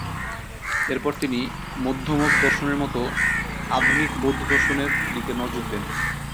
এরপর তিনি মধ্যমক দর্শনের মতো আধুনিক বৌদ্ধ দর্শনের দিকে নজর দেন।